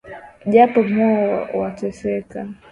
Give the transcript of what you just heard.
Japo moyo wateseka